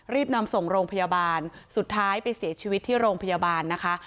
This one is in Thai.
รีบนำส่งโรงพยาบาลสุดท้ายไปเสียชีวิตที่โรงพยาบาลนะคะ